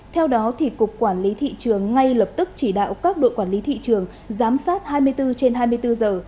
theo đó cục quản lý thị trường ngay lập tức chỉ đạo các đội quản lý thị trường giám sát hai mươi bốn trên hai mươi bốn giờ